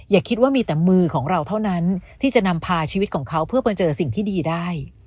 อย่าคิดว่ามีแต่มือของเราเท่านั้นที่จะนำพาชีวิตของเขาเพื่อมาเจอสิ่งที่ดีได้